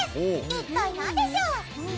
一体何でしょう？